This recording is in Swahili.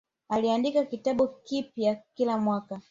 Aliandika kitabu kipya kila mwaka